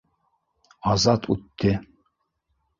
Азат үтте.